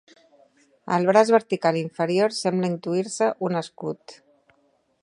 Al braç vertical inferior sembla intuir-se un escut.